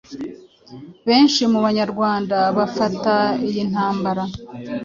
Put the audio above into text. Benshi mu banyarwanda bafata iyi ntambara